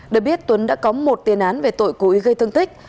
được biết tuấn đã có một tiền án về tội cúi gây thương tích